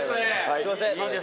すいません